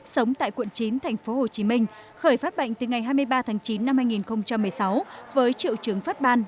sống tại quận chín tp hcm khởi phát bệnh từ ngày hai mươi ba tháng chín năm hai nghìn một mươi sáu với triệu chứng phát ban